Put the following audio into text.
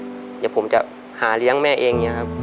เดี๋ยวผมจะหาเลี้ยงแม่เองเนี่ยครับ